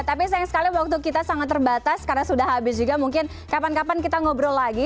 tapi sayang sekali waktu kita sangat terbatas karena sudah habis juga mungkin kapan kapan kita ngobrol lagi